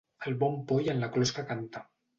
El bon poll en la closca canta.